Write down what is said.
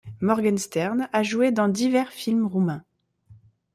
Morgenstern a joué dans divers films roumain.